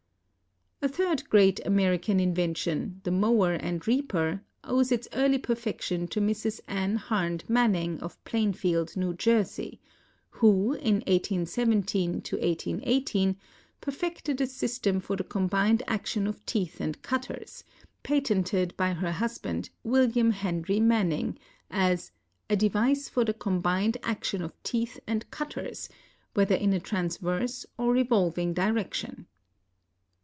A third great American invention, the mower and reaper, owes its early perfection to Mrs. Ann Harned Manning,* of Plainfield, New Jersey, who, in 1817 18, perfected a system for the combined action of teeth and cutters, patented by her hus band, William Henry Manning, as " a device for the combined action of teeth and cutters, whether in a transverse or revolving direction."